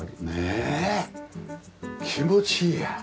ねえ気持ちいいや。